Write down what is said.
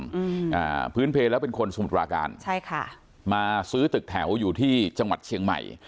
อืมอ่าพื้นเพลแล้วเป็นคนสมุทรปราการใช่ค่ะมาซื้อตึกแถวอยู่ที่จังหวัดเชียงใหม่